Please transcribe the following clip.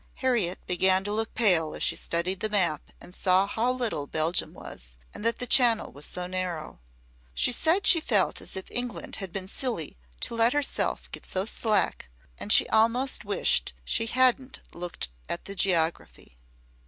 Harriet began to look pale as she studied the map and saw how little Belgium was and that the Channel was so narrow. She said she felt as if England had been silly to let herself get so slack and she almost wished she hadn't looked at the geography.